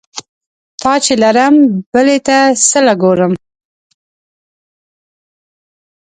تا چې لرم بلې ته څه له ګورم؟